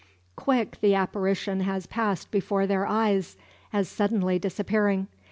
Quick the apparition has passed before their eyes, as suddenly disappearing.